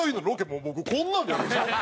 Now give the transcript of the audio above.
もう僕こんなんで。